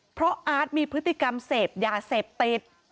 เพราะอาร์ตมีพฤติกรรมเสพยาเสพติด